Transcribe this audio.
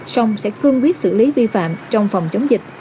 xong sẽ cương quyết xử lý vi phạm trong phòng chống dịch